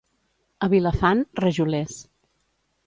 A Vilafant, rajolers.